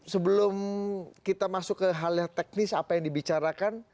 sebelum kita masuk ke halnya teknis apa yang dibicarakan